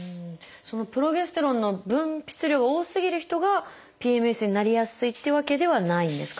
そのプロゲステロンの分泌量が多すぎる人がＰＭＳになりやすいっていうわけではないんですか？